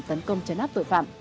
tấn công chấn áp tội phạm